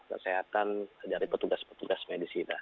kesehatan dari petugas petugas medis kita